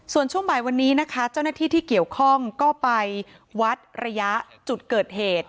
ส่วนช่วงบ่ายวันนี้นะคะเจ้าหน้าที่ที่เกี่ยวข้องก็ไปวัดระยะจุดเกิดเหตุ